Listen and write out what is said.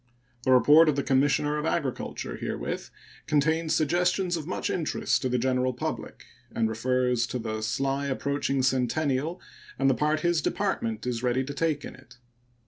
The report of the Commissioner of Agriculture herewith contains suggestions of much interest to the general public, and refers to the sly approaching Centennial and the part his Department is ready to take in it.